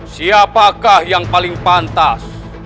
siapakah yang paling pantas